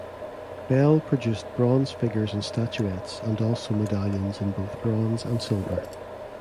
Bell produced bronze figures and statuettes and also medallions in both bronze and silver.